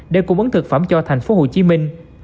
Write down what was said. để cung bướng thực phẩm cho thành phố hồ chí minh